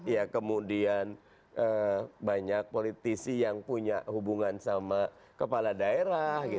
ya kemudian banyak politisi yang punya hubungan sama kepala daerah